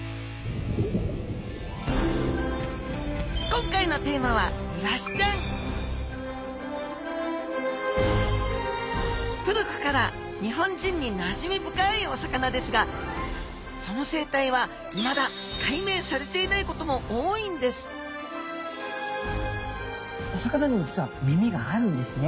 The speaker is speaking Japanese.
今回のテーマは古くから日本人になじみ深いお魚ですがその生態はいまだ解明されていないことも多いんですちっちゃい！